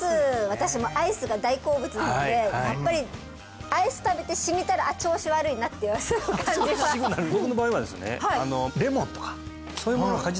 私もアイスが大好物なのでやっぱりアイス食べてしみたら「あっ調子悪いな」って様子を感じます